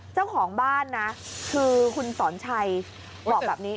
เจ้าของบ้านนะคือคุณสอนชัยบอกแบบนี้